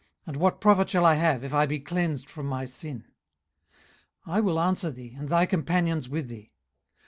and, What profit shall I have, if I be cleansed from my sin? 18:035:004 I will answer thee, and thy companions with thee.